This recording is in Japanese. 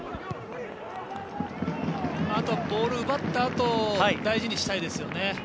あとはボールを奪ったあと大事にしたいですね。